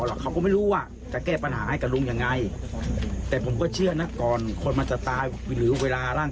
เราก็จะสามารถมองเห็นอีกสัมผัสหนึ่ง